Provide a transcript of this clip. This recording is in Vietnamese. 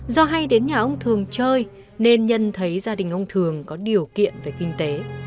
do hay đến nhà ông thường chơi nên nhân thấy gia đình ông thường có điều kiện về kinh tế